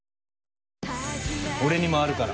俺にもあるから。